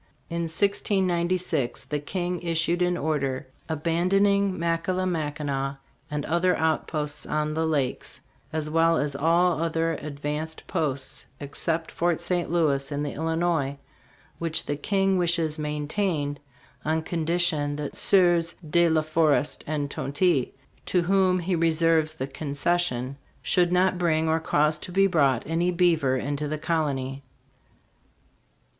In 1696, the King issued an order "abandoning Mackillimackinac and other outposts on the lakes, as well as all other advanced posts except Fort St. Louis, in the Illinois, which the King wishes maintained on condition that Sieurs De la Forest and Tonti, to whom he reserves the concession, should not bring or cause to be brought any beaver into the colony."